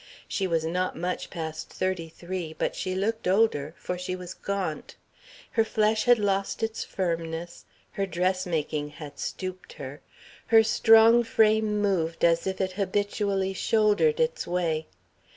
She was not much past thirty three, but she looked older, for she was gaunt. Her flesh had lost its firmness, her dressmaking had stooped her, her strong frame moved as if it habitually shouldered its way.